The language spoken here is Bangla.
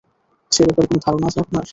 সে ব্যাপারে কোনো ধারণা আছে আপনার?